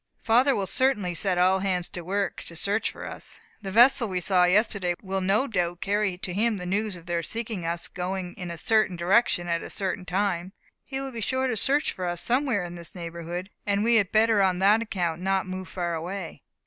Father will certainly set all hands to work to search for us. The vessel we saw yesterday will no doubt carry to him the news of their seeing us going in a certain direction at a certain time. He will be sure to search for us somewhere in this neighbourhood; and we had better on that account not move far away."